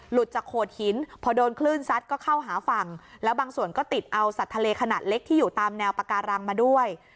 จากโขดหินพอโดนคลื่นซัดก็เข้าหาฝั่งแล้วบางส่วนก็ติดเอาสัตว์ทะเลขนาดเล็กที่อยู่ตามแนวปาการังมาด้วย